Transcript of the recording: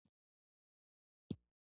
مرستندویان کابل ته راغلل.